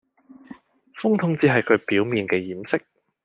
風筒只係佢表面嘅掩飾